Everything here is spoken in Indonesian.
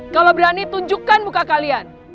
kalau berani tunjukkan muka kalian